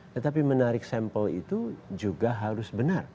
tetapi menarik sampel itu juga harus benar